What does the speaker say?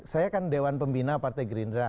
saya kan dewan pembina partai gerindra